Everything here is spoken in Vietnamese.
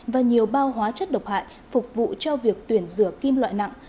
và nhiều bao hóa chất độc hại phục vụ cho việc tuyển rửa kim loại nặng